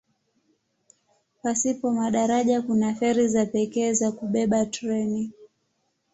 Pasipo madaraja kuna feri za pekee za kubeba treni.